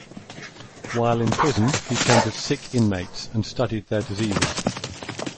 While in prison, he tended sick inmates, and studied their diseases.